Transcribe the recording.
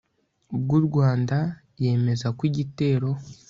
bw u rwanda yemeza ko igitero